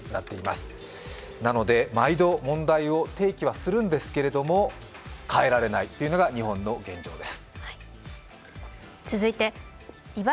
なので毎度、問題を提起はするんですけれども、変えられないというのが日本の現状です。